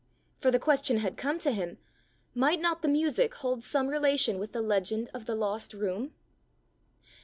For the question had come to him might not the music hold some relation with the legend of the lost room?